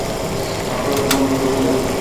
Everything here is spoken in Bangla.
আসলেই দ্রুত ছিল!